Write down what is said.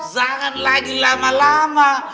jangan lagi lama lama